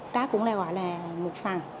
đó cũng là gọi là một phần